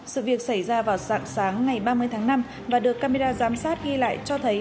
sự việc xảy ra vào sáng sáng ngày ba mươi tháng năm và được camera giám sát ghi lại cho thấy